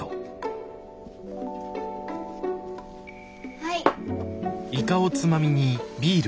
はい。